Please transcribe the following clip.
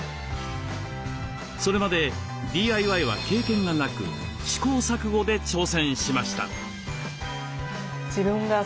それまでＤＩＹは経験がなく試行錯誤で挑戦しました。